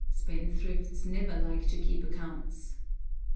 Spendthrifts never like to keep accounts.